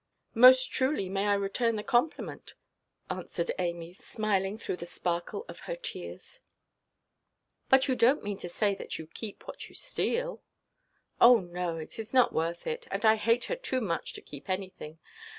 "Most truly may I return the compliment," answered Amy, smiling through the sparkle of her tears. "But you donʼt mean to say that you keep what you steal?" "Oh no; it is not worth it. And I hate her too much to keep anything.